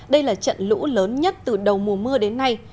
đây là trận lũ lớn nhất từ đầu mùa mưa đến nay